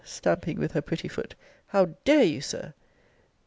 stamping with her pretty foot; How dare you, Sir!